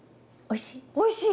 おいしい？